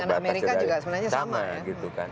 dan dengan amerika juga sama